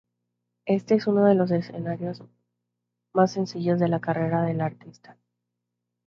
Este es uno de los escenarios más sencillos de la carrera de la artista.